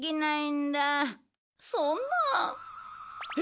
そんなあ。